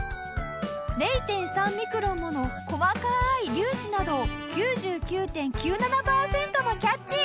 ０．３ミクロンもの細かい粒子などを９９．９７パーセントもキャッチ！